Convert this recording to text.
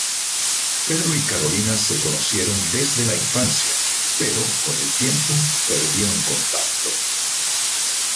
Pedro y Carolina se conocieron desde la infancia, pero con el tiempo perdieron contacto.